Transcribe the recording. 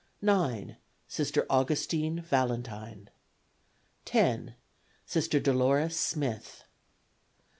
9. Sister Augustine Valentine. 10. Sister Dolores Smith.